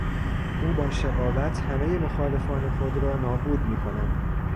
او با شقاوت همهی مخالفان خود را نابود میکند.